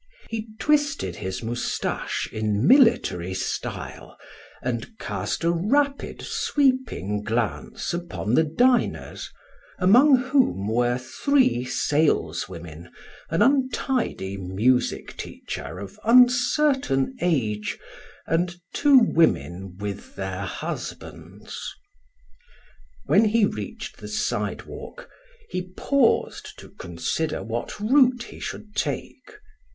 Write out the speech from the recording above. He twisted his mustache in military style and cast a rapid, sweeping glance upon the diners, among whom were three saleswomen, an untidy music teacher of uncertain age, and two women with their husbands. When he reached the sidewalk, he paused to consider what route he should take.